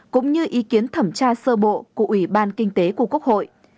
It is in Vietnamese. cũng như ý kiến thẩm tra sơ bộ của ủy ban kinh tế của quốc hội